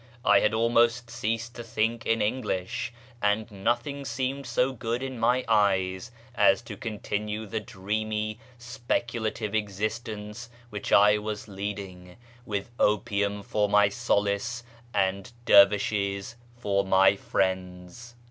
I had almost ceased to think in English, and nothing seemed so good in my eyes as to continue the dreamy speculative existence which I was leading, with opium for my solace and dervishes for my friends.